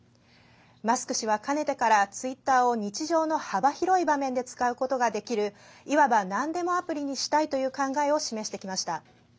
マスク氏はかねてからツイッターを日常の幅広い場面で使うことができるいわば、なんでもアプリにしたいという考えを示してきました。